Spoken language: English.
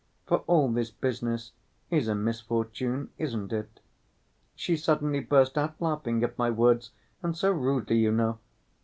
'—for all this business is a misfortune, isn't it? She suddenly burst out laughing at my words, and so rudely, you know.